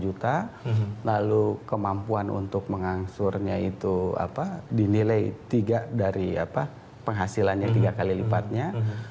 jadi misalnya dia penghasilannya antara sepuluh juta lalu kemampuan untuk mengangsurnya itu apa dinilai tiga dari apa penghasilannya tiga kali lipatnya